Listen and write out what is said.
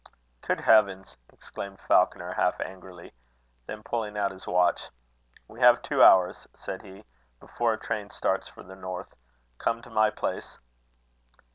"Good heavens!" exclaimed Falconer, half angrily. Then pulling out his watch, "We have two hours," said he, "before a train starts for the north. Come to my place."